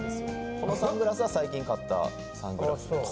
このサングラスは最近買ったサングラスです。